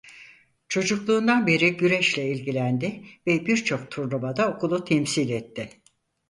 Çocukluğundan beri güreşle ilgilendi ve birçok turnuvada okulu temsil etti.